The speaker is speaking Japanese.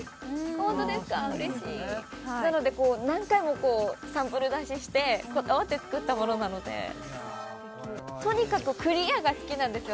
ほんとですか嬉しいなので何回もサンプル出ししてこだわって作ったものなのでとにかくクリアが好きなんですよ